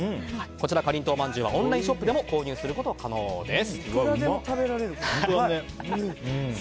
こちら、かりんとうまんじゅうはオンラインショップでも購入することが可能です。